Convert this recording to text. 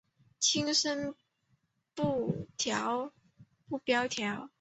轻声不标调。